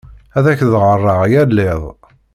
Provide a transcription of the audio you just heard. Ad ak-d-ɣɣareɣ yal iḍ.